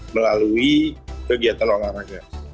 melalui kegiatan olahraga